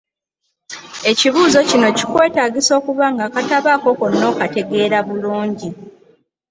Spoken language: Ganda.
Ekibuuzo kino kikwetaagisa okuba ng’akatabo ako konna okategeera bulungi.